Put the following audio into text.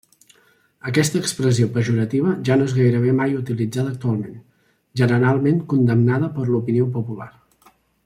Aquesta expressió pejorativa ja no és gairebé mai utilitzada actualment, generalment condemnada per l'opinió popular.